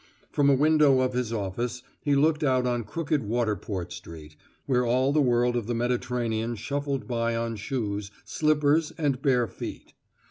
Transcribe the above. From a window of his office, he looked out on crooked Waterport Street, where all the world of the Mediterranean shuffled by on shoes, slippers and bare feet.